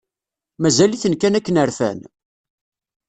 Mazal-iten kan akken rfan?